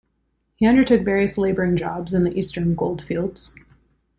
He undertook various laboring jobs in the Eastern Goldfields.